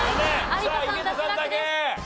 有田さん脱落です。